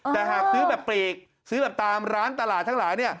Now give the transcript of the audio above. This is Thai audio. แต่หากซื้อแบบปลีกซื้อแบบตามร้านตลาดทั้งหลาย